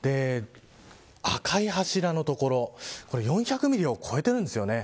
赤い柱の所これ４００ミリを超えてるんですよね。